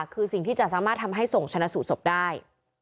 คือสิ่งที่จะสามารถทำให้ส่งชนะสูตรศพได้